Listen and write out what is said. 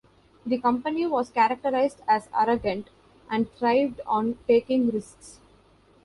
The company was characterised as "arrogant", and thrived on taking risks.